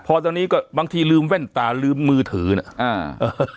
พอตอนนี้ก็บางทีลืมแว่นตาลืมมือถือน่ะอ่า